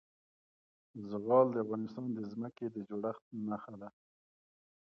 زغال د افغانستان د ځمکې د جوړښت نښه ده.